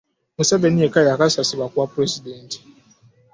Museveni yekka y'eyakakakasibwa ku bwa pulezidenti